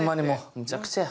むちゃくちゃや。